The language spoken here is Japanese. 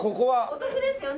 お得ですよね